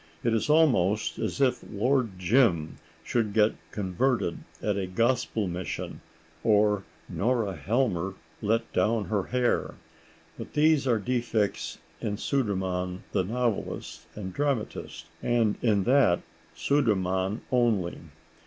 It is almost as if Lord Jim should get converted at a gospel mission, or Nora Helmer let down her hair.... But these are defects in Sudermann the novelist and dramatist, and in that Sudermann only.